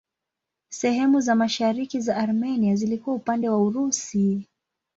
Sehemu za mashariki za Armenia zilikuwa upande wa Urusi.